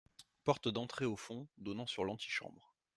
Porte d’entrée au fond, donnant sur l’antichambre.